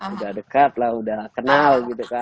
udah dekat lah udah kenal